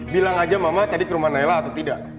bilang aja mama tadi ke rumah naila atau tidak